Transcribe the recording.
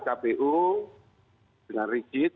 kpu dengan rigid